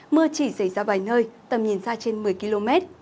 mưa chỉ xảy ra vài nơi tầm nhìn xa trên một mươi km